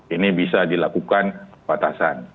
ini bisa dilakukan batasan